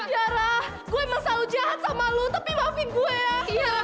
ya rah gue emang selalu jahat sama lo tapi maafin gue ya